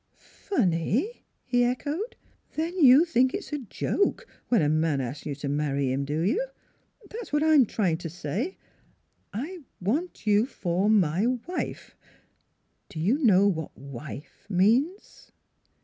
"Funny?" he echoed. "Then you think it's a joke, when a man asks you to marry him, do you? That's what I'm trying to say. I want 28o NEIGHBORS you for my wife I ... Do you know what wife means?